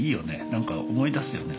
何か思い出すよね